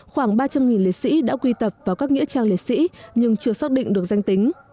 khoảng ba trăm linh liệt sĩ đã quy tập vào các nghĩa trang liệt sĩ nhưng chưa xác định được danh tính